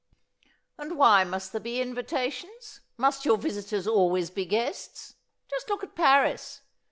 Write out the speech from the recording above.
"And why must there be invitations? Must your visitors always be guests? Just look at Paris!